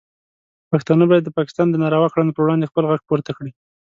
پښتانه باید د پاکستان د ناروا کړنو پر وړاندې خپل غږ پورته کړي.